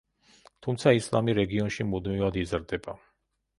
თუმცა, ისლამი რეგიონში მუდმივად იზრდება.